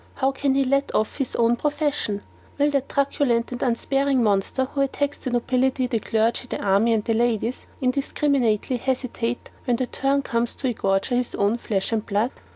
How can he let off his own profession? Will that truculent and unsparing monster who attacks the nobility, the clergy, the army, and the ladies, indiscriminately, hesitate when the turn comes to EGORGER his own flesh and blood?